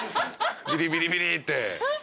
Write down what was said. ビリビリビリって。